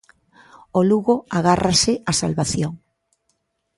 O Lugo agárrase á salvación.